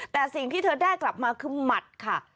แต่สิ่งที่เธอได้กลับมาคือหมัดค่ะ